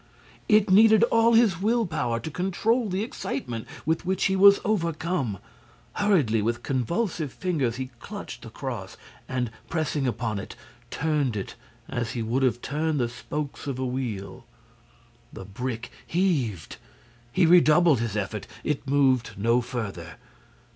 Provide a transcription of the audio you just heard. It needed all his will power to control the excitement with which he was overcome. Hurriedly, with convulsive fingers, he clutched the cross and, pressing upon it, turned it as he would have turned the spokes of a wheel. The brick heaved. He redoubled his effort; it moved no further.